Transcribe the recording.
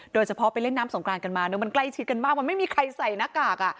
โดยเฉพาะไปเล่นน้ำสงกรานกันมามันใกล้ชิดกันมากมันไม่มีใครใส่หน้ากากอ่ะ